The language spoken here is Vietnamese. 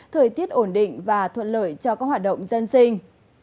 thời tiết ổn định và thuận lợi cho các hoạt động dân sinh